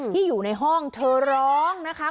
ที่อยู่ในห้องเธอร้องนะคะ